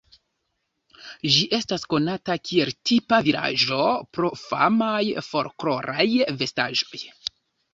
Ĝi estas konata kiel tipa vilaĝo pro famaj folkloraj vestaĵoj.